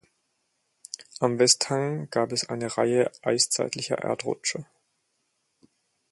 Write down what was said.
Am Westhang gab es eine Reihe eiszeitlicher Erdrutsche.